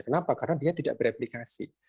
kenapa karena dia tidak bereplikasi